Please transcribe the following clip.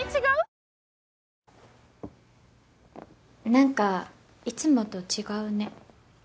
なんかいつもと違うね。